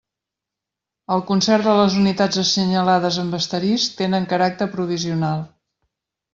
El concert de les unitats assenyalades amb asterisc tenen caràcter provisional.